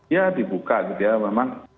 ya dibuka gitu ya memang